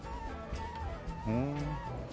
ふん。